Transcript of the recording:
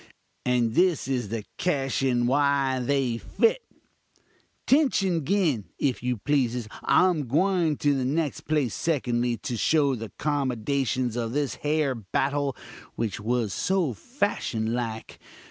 And this is the 'cashin why they fit. "Tention, 'gin, if you pleases, I'm gwyin in the next place secondly, to show the 'comdashins of this here battul, which was so fashin like.